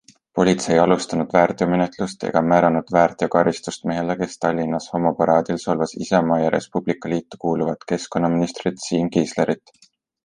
Politsei ei alustanud väärteomenetlust ega määranud väärteokaristust mehele, kes Tallinnas homoparaadil solvas Isamaa ja Res Publica Liitu kuuluvat keskkonnaministrit Siim Kiislerit.